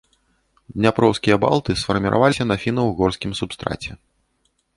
Дняпроўскія балты сфармаваліся на фіна-ўгорскім субстраце.